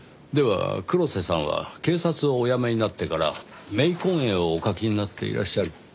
では黒瀬さんは警察をお辞めになってから冥婚絵をお描きになっていらっしゃる？